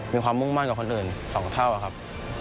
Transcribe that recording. มีความมุ่งมั่นกับคนอื่น๒เท่าครับ